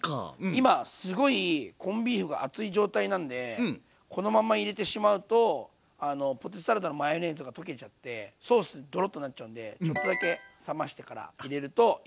今すごいコンビーフが熱い状態なんでこのまんま入れてしまうとポテトサラダのマヨネーズが溶けちゃってソースドロッとなっちゃうんでちょっとだけ冷ましてから入れるといいと思います。